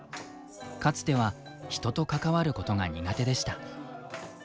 かつては人と関わることが苦手でした。